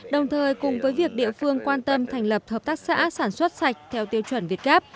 đồng thời cùng với việc địa phương quan tâm thành lập hợp tác xã sản xuất sạch theo tiêu chuẩn việt gáp